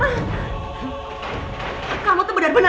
jadi kamu udah nikah